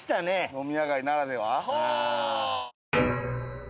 飲み屋街ならでは。